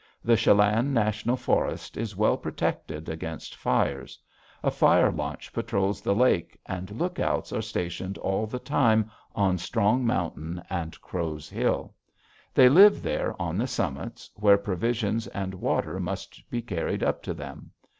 The Chelan National Forest is well protected against fires. A fire launch patrols the lake and lookouts are stationed all the time on Strong Mountain and Crow's Hill. They live there on the summits, where provisions and water must be carried up to them.